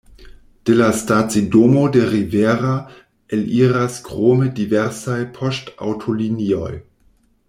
De la stacidomo de Rivera eliras krome diversaj poŝtaŭtolinioj.